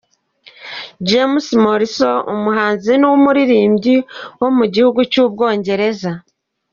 James Morrison, umuhanzi w’umuririmbyi wo mu gihugu cy’u Bwongereza.